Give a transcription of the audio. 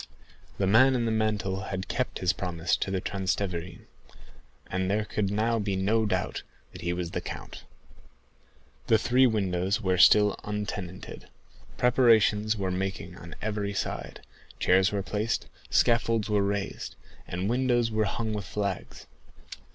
The man in the mantle had kept his promise to the Transteverin, and there could now be no doubt that he was the count. The three windows were still untenanted. Preparations were making on every side; chairs were placed, scaffolds were raised, and windows were hung with flags.